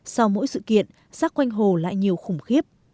sau mỗi sự kiện xác quanh hồ lại nhiều khủng khiếp